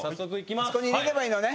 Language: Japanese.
あそこに入れればいいのね。